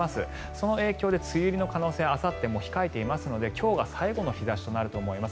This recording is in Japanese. その影響で梅雨入りの可能性あさっても控えていますので今日が最後の日差しとなると思います。